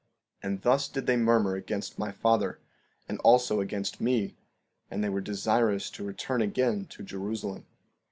16:36 And thus they did murmur against my father, and also against me; and they were desirous to return again to Jerusalem.